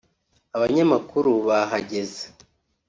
Abanyamakuru bahageze